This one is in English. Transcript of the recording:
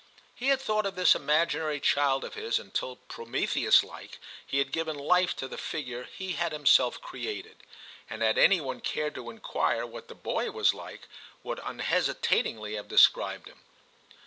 He had thought of this imaginary child of his, until, Prometheus like, he had given life to the figure he had himself created ; and had any one cared to inquire what the boy was like, would unhesitatingly have described him.